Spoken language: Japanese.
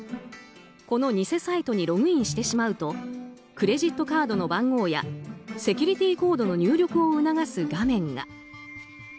この偽サイトにログインしてしまうとクレジットカードの番号やセキュリティーコードの入力を促す画面が。